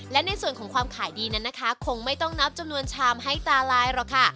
และในส่วนของความขายดีนั้นนะคะคงไม่ต้องนับจำนวนชามให้ตาลายหรอกค่ะ